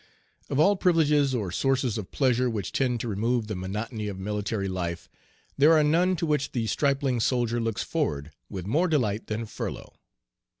OF all privileges or sources of pleasure which tend to remove the monotony of military life, there are none to which the stripling soldier looks forward with more delight than furlough.